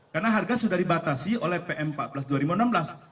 karena harga sudah dibatasi oleh pm empat plus dua ribu enam belas